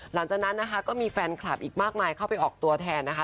หลังจากนั้นนะคะก็มีแฟนคลับอีกมากมายเข้าไปออกตัวแทนนะคะ